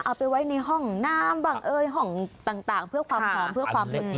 เอาไปไว้ในห้องน้ำห่องต่างเพื่อความยอม